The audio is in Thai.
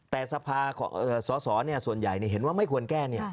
แต่สภาสสส่วนใหญ่เห็นว่าไม่ควรแก้